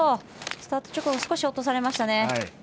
スタート直後少し落とされました。